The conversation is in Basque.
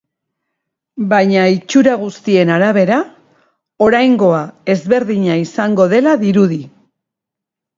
Baina itxura guztien arabera, oraingoa ezberdina izango dela dirudi.